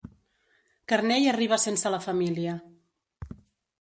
Carner hi arriba sense la família.